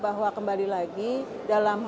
bahwa kembali lagi dalam